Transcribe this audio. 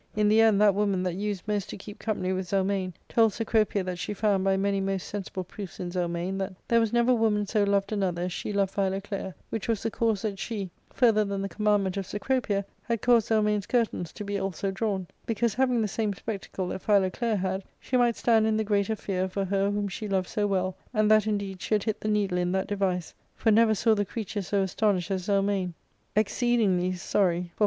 In the end, that woman that used most to keep company with Zelmane told Cecropia that she found by many most sensible proofs in Zelmane that there was never woman so loved another as she loved Philoclea, which was the cause that she, further than the commandment of Cecropia, had caused ^Zelmane's curtains to be also drawn; because, having the same spectacle that Philoclea had, she might stand in the greater fear for her whom she loved so well, and that indeed she had hit the needle in that device; for never saw she creature so astonished as Zelmane, exceedingly sorry for ARCADIA.